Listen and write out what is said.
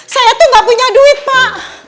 saya tuh gak punya duit pak